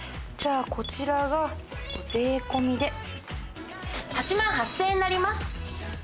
じゃあこちらが税込みで８万８０００円になります。